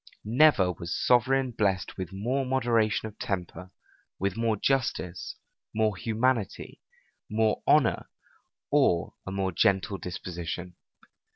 Never was sovereign blessed with more moderation of temper, with more justice, more humanity, more honor, or a more gentle disposition.